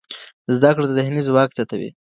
زده کړه ذهني ځواک زیاتوي.